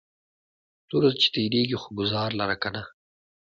توره چې تیرېږي خو گزار لره کنه